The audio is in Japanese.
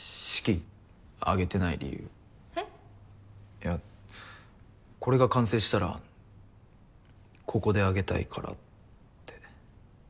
いやこれが完成したらここで挙げたいからって。